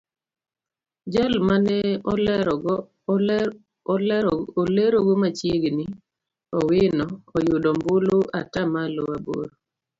Jal mane olerogo machiegni Owino oyudo ombulu atamalo aboro.